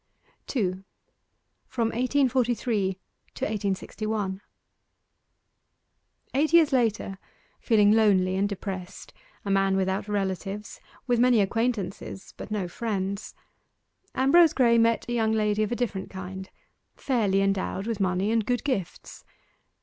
2. FROM 1843 TO 1861 Eight years later, feeling lonely and depressed a man without relatives, with many acquaintances but no friends Ambrose Graye met a young lady of a different kind, fairly endowed with money and good gifts.